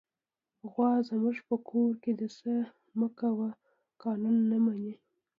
غوا زموږ په کور کې د "څه مه کوه" قانون نه مني.